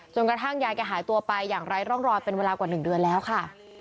กระทั่งยายแกหายตัวไปอย่างไร้ร่องรอยเป็นเวลากว่า๑เดือนแล้วค่ะ